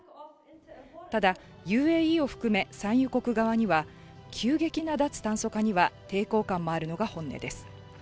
ただ、ＵＡＥを含め、産油国側には急激な脱炭素化には抵抗感もあるのが本音です